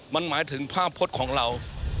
มันหมายถึงภาพพลัสเขา